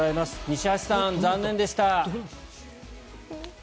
西橋さん、残念でした。